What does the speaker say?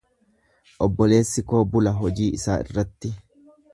Obboleessi koo bula hojii isaa irratti.